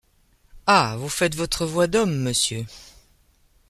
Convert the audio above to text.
Ah ! vous faites votre voix d’homme, monsieur.